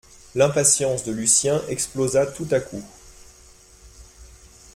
L’impatience de Lucien explosa tout à coup.